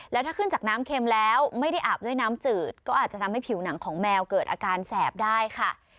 แล้วถ้าขึ้นจากน้ำเค็มแล้วไม่ได้อาบด้วยน้ำจืดก็อาจจะทำให้ผิวหนังของแมวเกิดอาการแสบได้ค่ะ